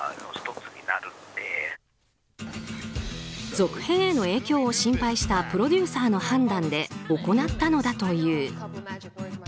続編の影響を心配したプロデューサーの判断で行ったのだという。